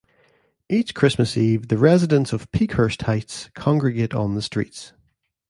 Each Christmas Eve the residents of Peakhurst Heights congregate on the streets.